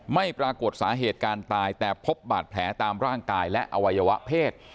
ไม่ปรากฏสาเหตุการตายแต่พบบาดแผลตามร่างกายและอวัยวะเพศ